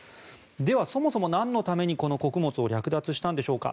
では、そもそもなんのために穀物を略奪したんでしょうか。